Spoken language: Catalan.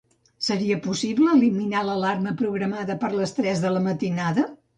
Seria possible eliminar l'alarma programada per les tres de la matinada?